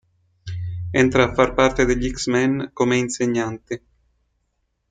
Entra a far parte degli X-Men come insegnante.